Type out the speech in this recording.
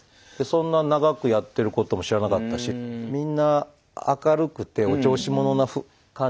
そんな長くやってることも知らなかったしみんな明るくてお調子者な感じが少しずつするっていうのが。